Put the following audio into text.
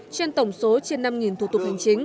trên tổng số trên năm thủ tục hành chính